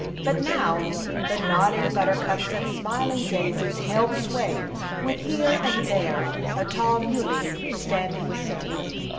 But now the nodding buttercups and smiling daisies held sway, with . here and there a tall mullein standing sentinel.